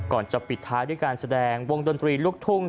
ก่อนจะปิดท้ายด้วยการแสดงวงดนตรีลูกทุ่ง